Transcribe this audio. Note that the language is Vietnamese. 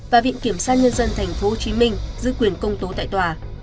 và viện kiểm sát nhân dân tp hcm giữ quyền công tố tại tòa